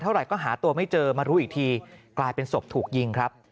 เท่าไหร่ก็หาตัวไม่เจอมารู้อีกทีกลายเป็นศพถูกยิงครับ